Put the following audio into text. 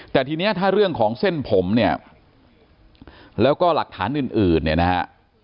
แต่ทีนี้ถ้าเรื่องของเส้นผมเนี่ยแล้วก็หลักฐานอื่นเนี่ยนะฮะ